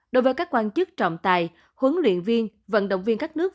đối với các quan chức trọng tài huấn luyện viên vận động viên các nước